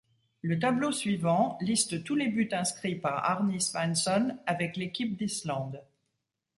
Le tableau suivant liste tous les buts inscrits par Árni Sveinsson avec l'équipe d'Islande.